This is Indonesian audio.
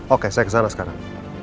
oke saya kesana sekarang